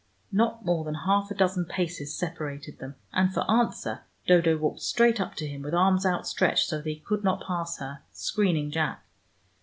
Not more than half a dozen paces separated them, and for answer Dodo walked straight up to him, with arms outstretched so that he could not pass her, screening Jack.